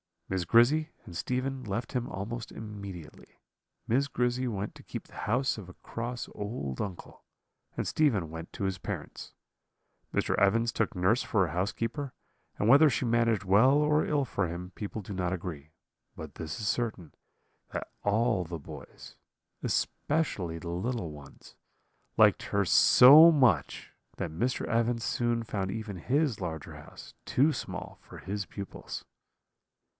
"Miss Grizzy and Stephen left him almost immediately. Miss Grizzy went to keep the house of a cross old uncle, and Stephen went to his parents. Mr. Evans took nurse for a housekeeper, and whether she managed well or ill for him people do not agree; but this is certain, that all the boys, especially the little ones, liked her so much that Mr. Evans soon found even his larger house too small for his pupils.